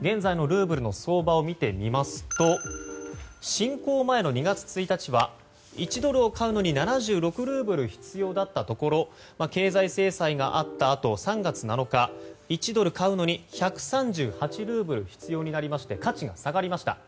現在のルーブルの相場を見てみますと侵攻前の２月１日は１ドルを買うのに７６ルーブル必要だったところ経済制裁があったあと３月７日、１ドル買うのに１３８ルーブル必要になりまして価値が下がりました。